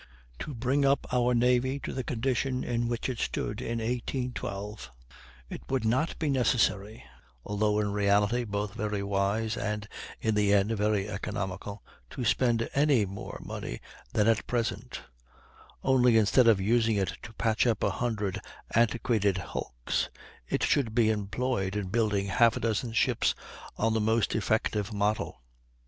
To bring up our navy to the condition in which it stood in 1812 it would not be necessary (although in reality both very wise and in the end very economical) to spend any more money than at present; only instead of using it to patch up a hundred antiquated hulks, it should be employed in building half a dozen ships on the most effective model.